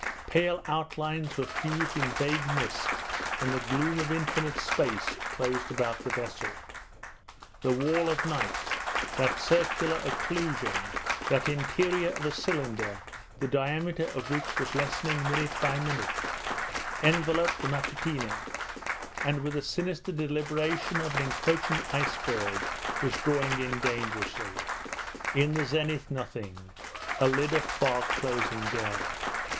Pale outlines were fused in vague mist, and the gloom of infinite space closed about the vessel. The wall of night that circular occlusion, that interior of a cylinder the diameter of which was lessening minute by minute enveloped the Matutina, and, with the sinister deliberation of an encroaching iceberg, was drawing in dangerously. In the zenith nothing a lid of fog closing down.